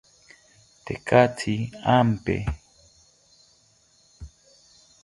Tekatzi ampe